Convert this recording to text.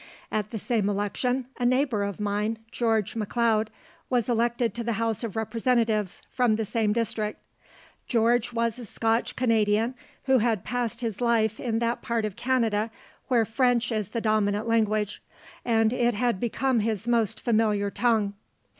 At the same election a neighbor of mine, George McLeod, was elected to the house of representatives from the same district. George was a Scotch Canadian, who had passed his life in that part of Canada where French is the dominant language, and it had become his most familiar tongue.